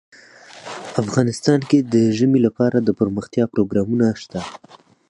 افغانستان کې د ژمی لپاره دپرمختیا پروګرامونه شته.